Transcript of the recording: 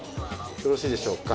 よろしいでしょうか。